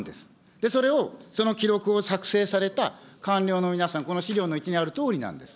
で、それをその記録を作成された官僚の皆さん、この資料の１にあるとおりなんです。